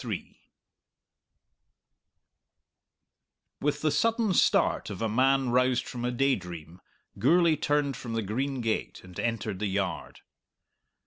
With the sudden start of a man roused from a daydream Gourlay turned from the green gate and entered the yard.